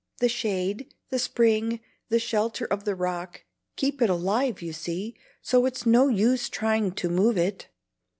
The shade, the spring, the shelter of the rock, keep it alive, you see, so it's no use trying to move it."